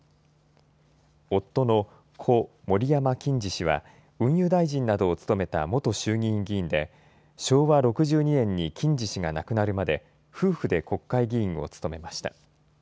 夫の故・森山欽司氏は運輸大臣などを務めた元衆議院議員で昭和６２年に欽司氏が亡くなるまで夫婦で国会議員を務めました。